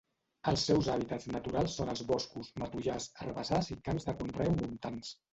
Els seus hàbitats naturals són els boscos, matollars, herbassars i camps de conreu montans.